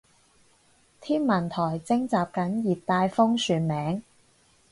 天文台徵集緊熱帶風旋名